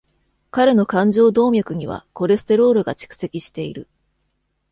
彼の冠状動脈にはコレステロールが蓄積している。